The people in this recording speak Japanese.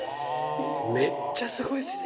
めっちゃすごいですね！